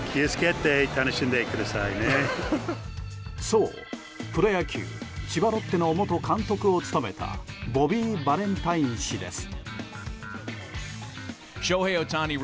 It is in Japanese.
そう、プロ野球千葉ロッテの元監督を務めたボビー・バレンタイン氏です。